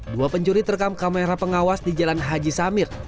dua pencuri terekam kamera pengawas di jalan haji samir